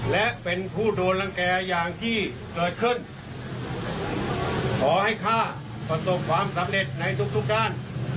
และเป็นผู้โดนรังแก่อย่างที่เกิดขึ้นขอให้ข้าประสบความสำเร็จในทุกทุกด้าน